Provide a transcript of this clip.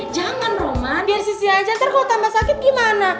jangan rumah biar sisi aja ntar kalau tambah sakit gimana